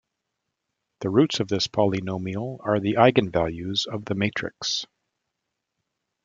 The roots of this polynomial are the eigenvalues of the matrix.